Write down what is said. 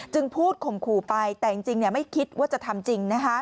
พูดข่มขู่ไปแต่จริงไม่คิดว่าจะทำจริง